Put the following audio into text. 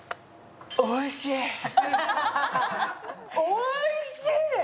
おいしい！